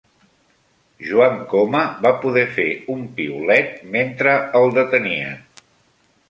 Joan Coma va poder fer un piulet mentre el detenien